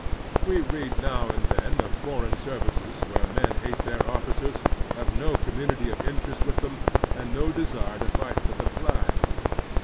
We read now and then of foreign services where men hate their officers, have no commtmity of interest with them, and no desire to fight for the flag.